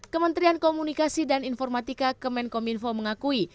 kementerian komunikasi dan informatika kemenkominfo mengakui